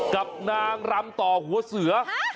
กับนางรำต่อหัวเสือ